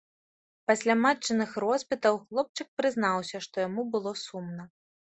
Пасля матчыных роспытаў хлопчык прызнаўся, што яму было сумна.